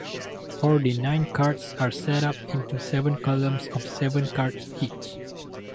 Forty-nine cards are set up into seven columns of seven cards each.